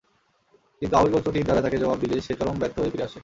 কিন্তু আউস গোত্র তীর দ্বারা তাকে জবাব দিলে সে চরম ব্যর্থ হয়ে ফিরে আসে।